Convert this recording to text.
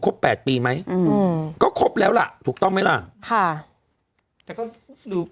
ครบแปดปีไหมอืมก็ครบแล้วล่ะถูกต้องไหมล่ะค่ะเดี๋ยวก็ดู